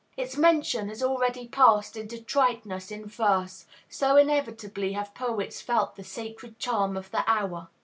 Its mention has already passed into triteness in verse, so inevitably have poets felt the sacred charm of the hour.